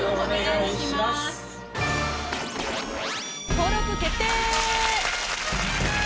登録決定！